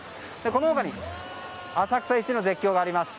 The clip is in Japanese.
この他に浅草一の絶叫があります